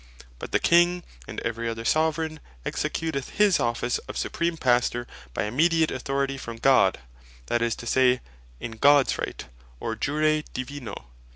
But the King, and every other Soveraign executeth his Office of Supreme Pastor, by immediate Authority from God, that is to say, In Gods Right, or Jure Divino.